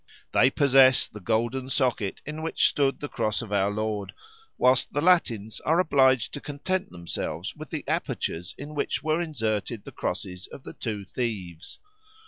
They possess the golden socket in which stood the cross of our Lord whilst the Latins are obliged to content themselves with the apertures in which were inserted the crosses of the two thieves.